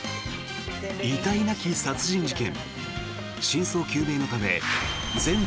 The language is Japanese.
遺体なき殺人事件。